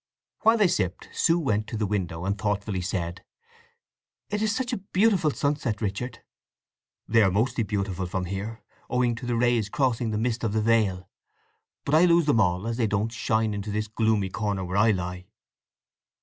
While they sipped Sue went to the window and thoughtfully said, "It is such a beautiful sunset, Richard." "They are mostly beautiful from here, owing to the rays crossing the mist of the vale. But I lose them all, as they don't shine into this gloomy corner where I lie."